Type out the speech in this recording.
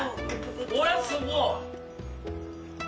これすごい。